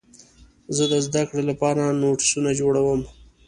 زه د زدهکړې لپاره نوټسونه جوړوم.